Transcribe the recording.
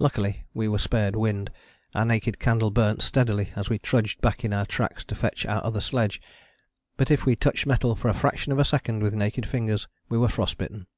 Luckily we were spared wind. Our naked candle burnt steadily as we trudged back in our tracks to fetch our other sledge, but if we touched metal for a fraction of a second with naked fingers we were frost bitten.